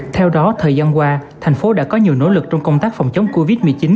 theo đó thời gian qua thành phố đã có nhiều nỗ lực trong công tác phòng chống covid một mươi chín